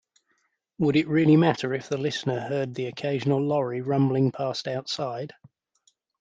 'Would it really matter if the listener heard the occasional lorry rumbling past outside?